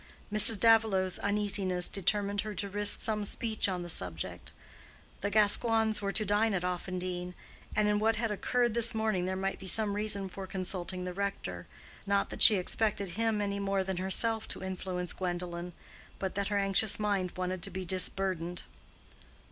Mrs. Davilow's uneasiness determined her to risk some speech on the subject: the Gascoignes were to dine at Offendene, and in what had occurred this morning there might be some reason for consulting the rector; not that she expected him anymore than herself to influence Gwendolen, but that her anxious mind wanted to be disburdened.